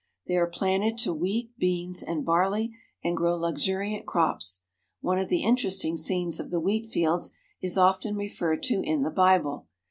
They are planted to wheat, beans, and barley, and grow luxuriant crops. One of the inter esting scenes of the wheat fields is often referred to in the Bible.